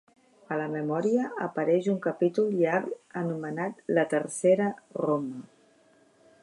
A la memòria apareix un capítol llarg anomenat "La Tercera Roma".